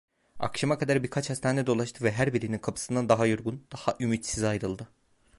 Akşama kadar birkaç hastane dolaştı ve her birinin kapısından daha yorgun, daha ümitsiz ayrıldı.